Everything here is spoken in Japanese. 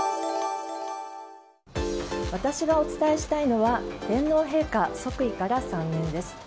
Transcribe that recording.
私がお伝えしたいのは天皇陛下、即位から３年です。